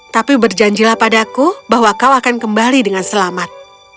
tapi berjanjilah padaku bahwa kau akan kembali dengan selamat